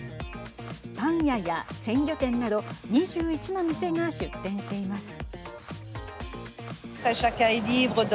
パン屋や鮮魚店など２１の店が出店しています。